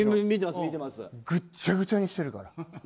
ぐちゃぐちゃにしてるから。